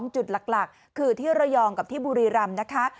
จุดหลักคือที่ระยองกับที่บุรีรำนะคะ